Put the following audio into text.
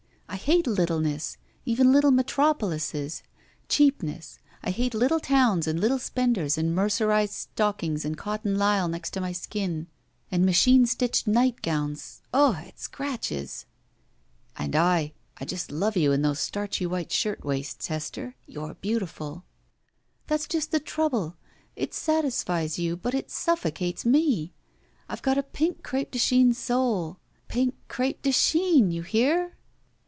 I hate little ness. Even Uttle metropoUses. Cheapness. I hate Uttle towns and Uttle spenders and mercerized stock ings and cotton lisle next to my skin, and machine stitched nightgowns. Ugh I it scratches !'' "And I — I just love you in those starchy white shirt waists, Hester. You're beautiful." That's just the trouble. It satisfies you, but it suffocates me. I've got a pink cr6pe de Chine soul. Pink cr6pe de Chine — ^you hear?"